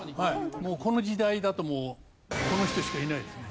もうこの時代だともうこの人しかいないですね。